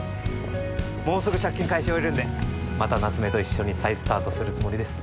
もうすぐ借金返し終えるんでまた夏目と一緒に再スタートするつもりです。